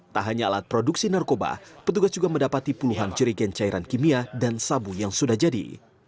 tak hanya alat produksi narkoba petugas juga mendapati puluhan jerigen cairan kimia dan sabu yang sudah jadi